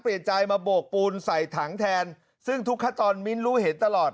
เปลี่ยนใจมาโบกปูนใส่ถังแทนซึ่งทุกขั้นตอนมิ้นรู้เห็นตลอด